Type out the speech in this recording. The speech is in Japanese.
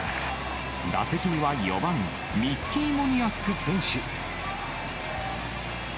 打席には４番ミッキー・モニアック選手。